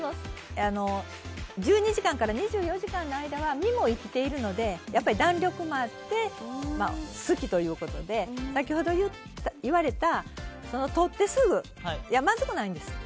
１２時間から２４時間の間は身も生きているので弾力もあって好きということで先ほど言われたとってすぐ、まずくないんです。